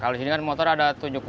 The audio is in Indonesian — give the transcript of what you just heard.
kalau di sini kan motor ada tujuh puluh